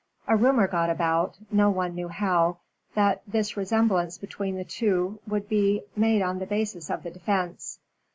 A rumor got about no one knew how that this resemblance between the two would be made the basis of the defence.